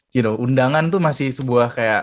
you know undangan tuh masih sebuah kayak